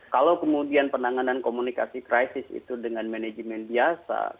kalau kemudian penanganan komunikasi krisis itu dengan manajemen biasa seperti misalnya regenering